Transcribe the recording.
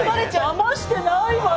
だましてないわよ。